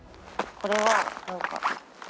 これは。